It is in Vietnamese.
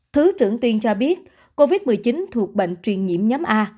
thứ trưởng tuyên cho biết covid một mươi chín thuộc bệnh truyền nhiễm nhóm a